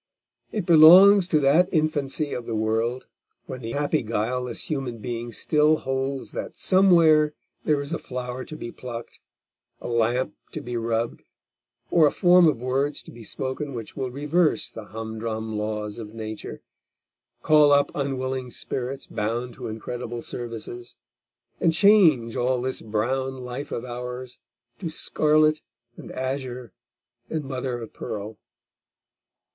It belongs to that infancy of the world, when the happy guileless human being still holds that somewhere there is a flower to be plucked, a lamp to be rubbed, or a form of words to be spoken which will reverse the humdrum laws of Nature, call up unwilling spirits bound to incredible services, and change all this brown life of ours to scarlet and azure and mother of pearl.